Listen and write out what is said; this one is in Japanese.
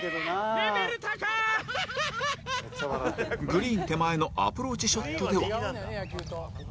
グリーン手前のアプローチショットでは